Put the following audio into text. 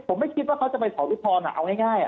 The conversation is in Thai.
ผมไม่คิดว่าเขาจะไปขออุทธรณ์เอาง่าย